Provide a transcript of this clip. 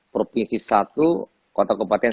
provinsi satu kota keempatan